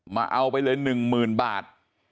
มาเอาไปเลยหนึ่งหมื่นบาท